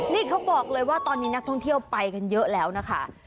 นี่เขาบอกเลยว่าตอนนี้นักท่องเที่ยวไปกันเยอะแล้วนะคะ